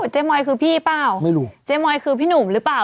เจ๊มอยคือพี่เปล่าไม่รู้เจ๊มอยคือพี่หนุ่มหรือเปล่า